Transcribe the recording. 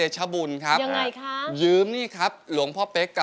เจลเบรกเรียบร้อยแล้วค่ะ